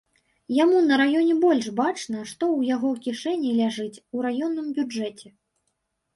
Яму на раёне больш бачна, што ў яго кішэні ляжыць, у раённым бюджэце.